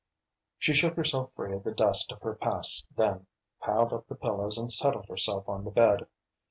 She shook herself free of the dust of her past then, piled up the pillows and settled herself on the bed.